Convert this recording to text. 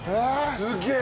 すげえ！